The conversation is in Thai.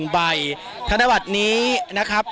๑ใบธนบัตรนี้นะครับ